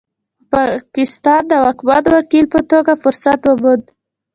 پاکستان د واکمن وکیل په توګه فرصت وموند.